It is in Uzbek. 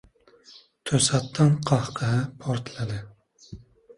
to‘satdan qahqaha portladi.